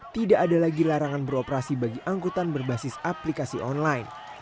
tidak ada lagi larangan beroperasi bagi angkutan berbasis aplikasi online